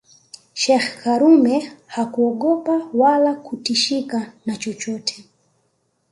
Sheikh karume hakuogopa wala kutishika na chochote